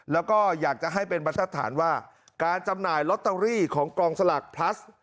แล้วก็อยากจะให้เป็นบรรทัดฐานว่าการจำหน่ายลอตเตอรี่ของกองสลากพลัส